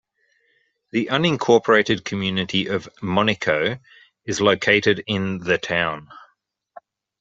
The unincorporated community of Monico is located in the town.